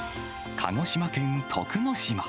鹿児島県徳之島。